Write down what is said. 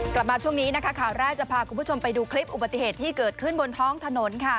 กลับมาช่วงนี้นะคะข่าวแรกจะพาคุณผู้ชมไปดูคลิปอุบัติเหตุที่เกิดขึ้นบนท้องถนนค่ะ